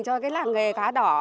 cho cái làng nghề cá đỏ